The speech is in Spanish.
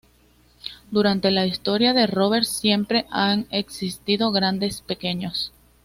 Durante la historia de Rover siempre han existido "grandes pequeños".